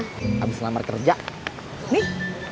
habis lamar kerja nih